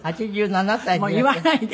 もう言わないで。